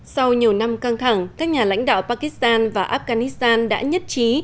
sau nhiều năm căng thẳng các nhà lãnh đạo pakistan và afghanistan đã nhất trí